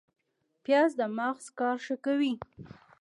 پیاز د مغز کار ښه کوي